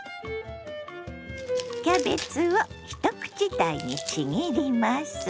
キャベツを一口大にちぎります。